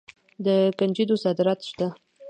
د کنجدو صادرات شته.